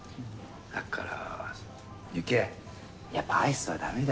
だからユキエやっぱアイスはダメだ。